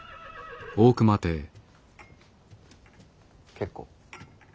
結構。